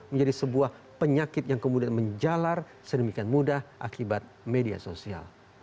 menjadi sebuah penyakit yang kemudian menjalar sedemikian mudah akibat media sosial